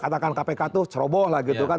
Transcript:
katakan kpk tuh ceroboh lah gitu kan